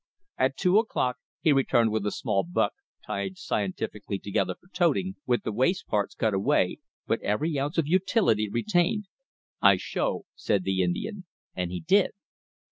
At two o'clock he returned with a small buck, tied scientifically together for toting, with the waste parts cut away, but every ounce of utility retained. "I show," said the Indian: and he did.